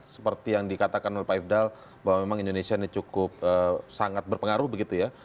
seperti yang dikatakan oleh pak ifdal bahwa memang indonesia ini cukup sangat berpengaruh begitu ya